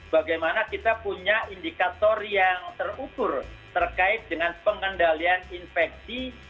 bagaimana kita punya indikator yang terukur terkait dengan pengendalian infeksi